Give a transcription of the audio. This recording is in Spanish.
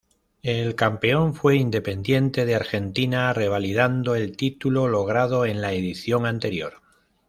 El campeón fue Independiente de Argentina, revalidando el título logrado en la edición anterior.